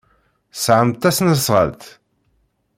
Tesɛamt tasnasɣalt?